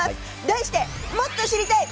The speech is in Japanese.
題して、もっと知りたい！